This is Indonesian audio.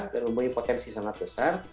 dan memiliki potensi sangat besar